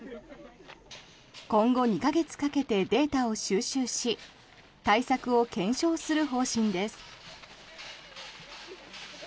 今後２か月かけてデータを収集し対策を検証する方針です。